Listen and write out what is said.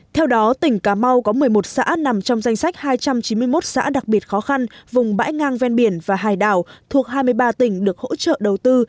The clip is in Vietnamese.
theo đó tỉnh cà mau có một mươi một xã nằm trong danh sách hai trăm chín mươi một xã đặc biệt khó khăn vùng bãi ngang ven biển và hải đảo thuộc hai mươi ba tỉnh được hỗ trợ đầu tư